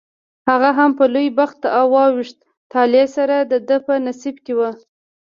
هغه هم په لوی بخت او ویښ طالع سره دده په نصیب کې وي.